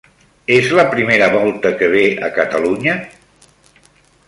És la primera volta que ve a Catalunya?